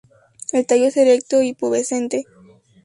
El tallo es erecto y pubescente.